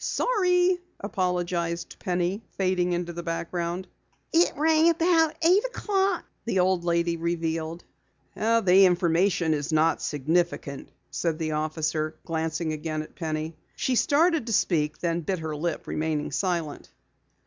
"Sorry," apologized Penny, fading into the background. "It rang about eight o'clock," the old lady revealed. "The information is not significant," said the officer, glancing again at Penny. She started to speak, then bit her lip, remaining silent.